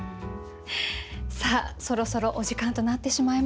さあそろそろお時間となってしまいました。